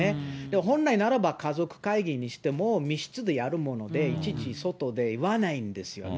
本来ならば、家族会議にしても密室でやるもので、いちいち外で言わないんですよね。